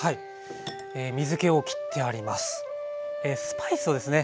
スパイスをですね